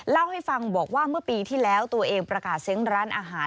เล่าให้ฟังบอกว่าเมื่อปีที่แล้วตัวเองประกาศเซ้งร้านอาหาร